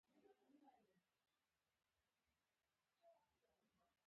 د هوایی دهلیزونو تړل صادرات بندوي.